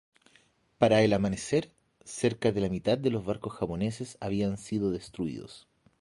Para el amanecer, cerca de la mitad de los barcos japoneses habían sido destruidos.